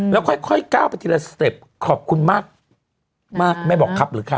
แล้วค่อยก้าวไปทีละสเต็ปขอบคุณมากแม่บอกครับหรือครับ